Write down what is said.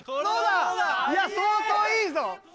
いや相当いいぞ！